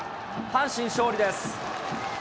阪神勝利です。